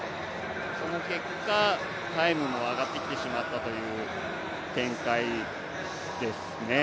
その結果、タイムも上がってきてしまったという展開ですね。